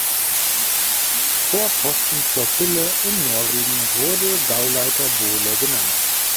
Vorpostenflottille in Norwegen wurde "Gauleiter Bohle" genannt.